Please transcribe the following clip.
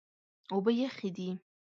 اوبه یخې دي.